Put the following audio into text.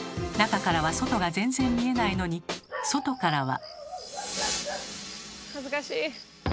中からは外が全然見えないのに外からは。恥ずかしい！